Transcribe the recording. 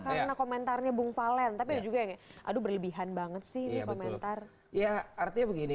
karena komentarnya bung palen tapi juga aduh berlebihan banget sih komentar ya artinya begini